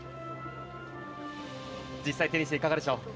実際、手にしていかがでしょう。